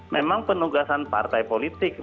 memang penugasan partai politik